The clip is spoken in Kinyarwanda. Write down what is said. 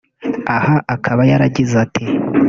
Aha akaba yaragize ati